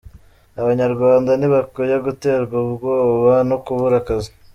Abanyarwanda ntibakwiye guterwa ubwoba no kubura akazi